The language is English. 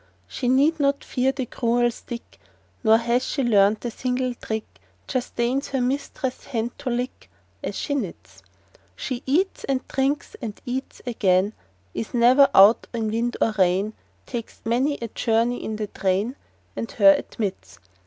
She need not fear the cruel stick, Nor has she learnt a single trick— Just deigns her mistress' hand to lick, As she knits. She eats, and drinks, and eats again, Is never out in wind or rain,— Takes many a journey in the train, And her admits.